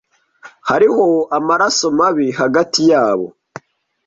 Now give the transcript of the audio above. Hariho amaraso mabi hagati yabo.